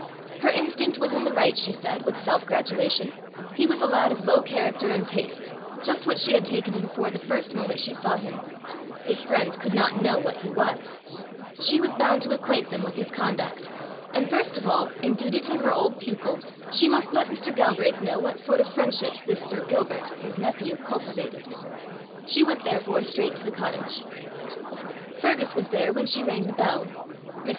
Her instinct was in the right, she said, with self gratulation; he was a lad of low character and tastes, just what she had taken him for the first moment she saw him: his friends could not know what he was; she was bound to acquaint them with his conduct; and first of all, in duty to her old pupil, she must let Mr. Galbraith know what sort of friendships this Sir Gilbert, his nephew, cultivated. She went therefore straight to the cottage. Fergus was there when she rang the bell. Mr.